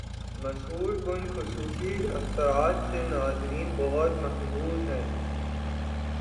مسحور کن خصوصی اثرات سے ناظرین بہت محظوظ ہوئے